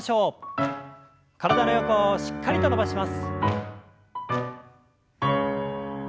体の横をしっかりと伸ばします。